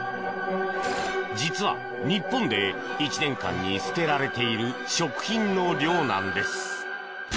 実は、日本で１年間に捨てられている食品の量なんです。